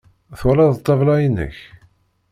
Twalaḍ ṭṭabla-inek?